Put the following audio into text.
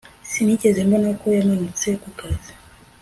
sinigeze mbona ko yamanutse ku kazi